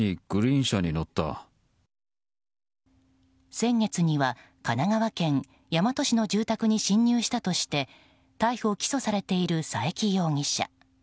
先月には神奈川県大和市の住宅に侵入したとして逮捕・起訴されている佐伯容疑者。